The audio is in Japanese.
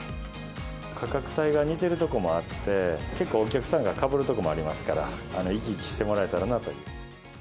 価格帯が似てるとこもあって、結構、お客さんがかぶるとこもありますから、行き来してもらえたらなと。